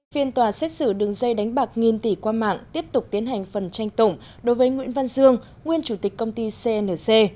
phiên tòa xét xử đường dây đánh bạc nghìn tỷ qua mạng tiếp tục tiến hành phần tranh tụng đối với nguyễn văn dương nguyên chủ tịch công ty cnc